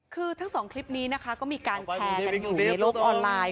คือทั้ง๒คลิปนี้มีการแชร์อยู่ในโลกออนไลน์